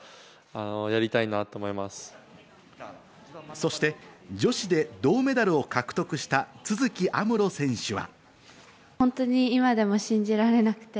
そして女子で銅メダルを獲得した都筑有夢路選手は。